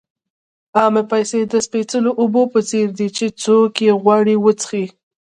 عامې پیسې د سپېڅلو اوبو په څېر دي چې څوک یې غواړي وڅښي.